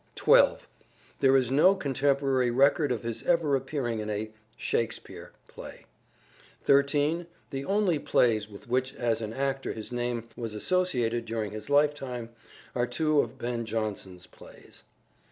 12. There is no contemporary record of his ever appearing in a " Shakespeare " play. 13. The only plays with which as an actor his name was associated during his lifetime are two of Ben Jonson's plays.